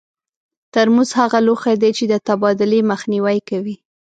ترموز هغه لوښي دي چې د تبادلې مخنیوی کوي.